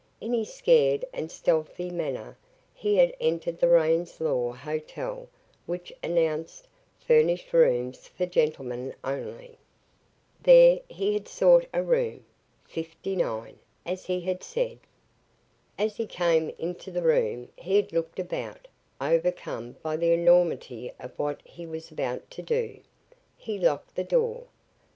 In his scared and stealthy manner, he had entered the Raines Law hotel which announced "Furnished Rooms for Gentlemen Only." There he had sought a room, fifty nine, as he had said. As he came into the room, he had looked about, overcome by the enormity of what he was about to do. He locked the door.